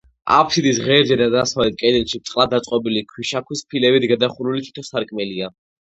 აფსიდის ღერძზე და დასავლეთ კედელში ბრტყლად დაწყობილი ქვიშაქვის ფილებით გადახურული თითო სარკმელია.